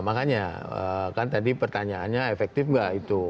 makanya kan tadi pertanyaannya efektif nggak itu